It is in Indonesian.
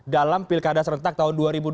dalam pilkada serentak tahun dua ribu dua puluh